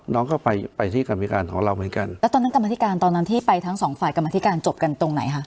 น้องก็ไปไปที่กรรมพิการของเราเหมือนกันแล้วตอนนั้นกรรมธิการตอนนั้นที่ไปทั้งสองฝ่ายกรรมธิการจบกันตรงไหนคะ